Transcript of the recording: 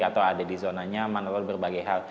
atau ada di zonanya mana mana berbagai hal